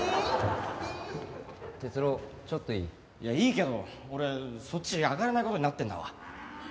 哲郎ちょっといい？いやいいけど俺そっち上がれない事になってんだわ。